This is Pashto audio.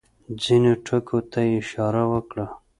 ځینو ټکو ته یې اشاره وکړه.